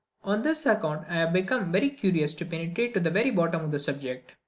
On this account I have become very curious to penetrate to the very bottom of the subject."